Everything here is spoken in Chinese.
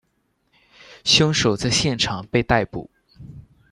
凶手在现场被逮捕。